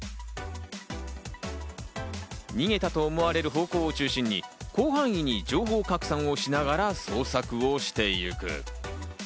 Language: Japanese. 逃げたと思われる方向を中心に、広範囲に情報拡散しながら捜索をしてゆく。